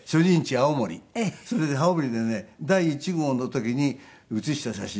それで青森で第１号の時に写した写真ですね。